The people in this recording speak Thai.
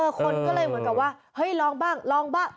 คนก็เลยเหมือนกับว่าเฮ้ยลองบ้างลองบ้าง